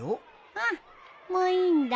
うんもういいんだ。